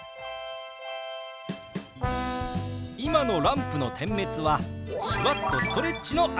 今のランプの点滅は手話っとストレッチの合図です！